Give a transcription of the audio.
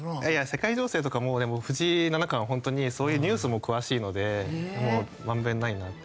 世界情勢とかも藤井七冠はホントにそういうニュースも詳しいのでもう満遍ないなと。